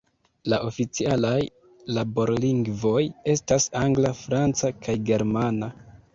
La oficialaj laborlingvoj estas angla, franca kaj germana.